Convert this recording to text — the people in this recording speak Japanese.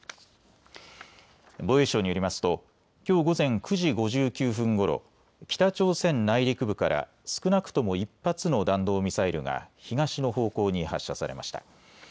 防衛省によりますときょう午前９時５９分ごろ、北朝鮮内陸部から少なくとも１発の弾道ミサイルが東の方向に発射されました。